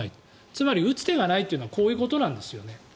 つまり、打つ手がないというのはこういうことなんですね。